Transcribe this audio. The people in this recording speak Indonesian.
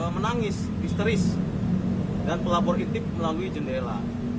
menangis histeris dan pelapor intip melalui jendela